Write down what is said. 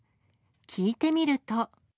聞いてみると。